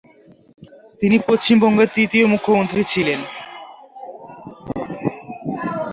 তিনি পশ্চিমবঙ্গের তৃতীয় মুখ্যমন্ত্রী ছিলেন।